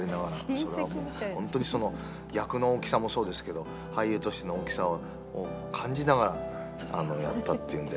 それはもう、本当にその役の大きさもそうですけど俳優としての大きさを感じながらやったっていうんで。